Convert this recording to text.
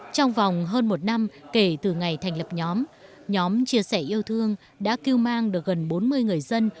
trong vòng hơn một năm kể từ ngày thành lập nhóm nhóm chia sẻ yêu thương đã kêu mang được gần bốn mươi người dân